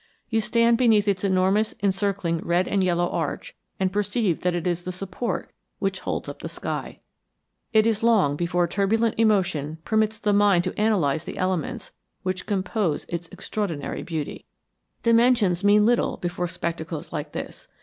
You stand beneath its enormous encircling red and yellow arch and perceive that it is the support which holds up the sky. It is long before turbulent emotion permits the mind to analyze the elements which compose its extraordinary beauty. Dimensions mean little before spectacles like this.